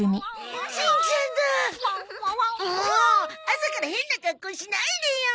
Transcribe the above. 朝から変な格好しないでよ。